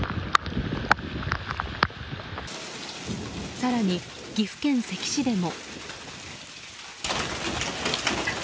更に、岐阜県関市でも。